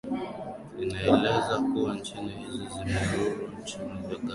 inaeleza kuwa nchi hizo zimeamuru nchi ya guinea